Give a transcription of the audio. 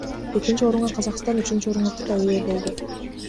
Экинчи орунга Казакстан, үчүнчү орунга Кытай ээ болду.